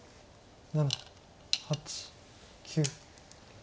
７８９。